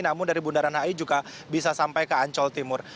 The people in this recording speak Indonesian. namun dari bundaran hi juga bisa sampai ke ancol timur